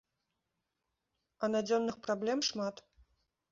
А надзённых праблем шмат.